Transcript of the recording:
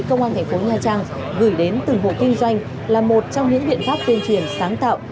công an thành phố nha trang gửi đến từng hộ kinh doanh là một trong những biện pháp tuyên truyền sáng tạo